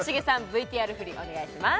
ＶＴＲ振りお願いします